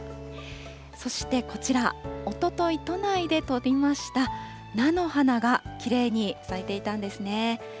そしてこちら、おととい都内で撮りました菜の花がきれいに咲いていたんですね。